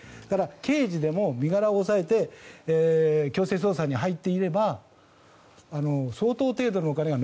刑事でも、身柄を押さえて強制捜査に入っていれば相当程度のお金が